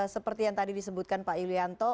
seperti yang tadi disebutkan pak yulianto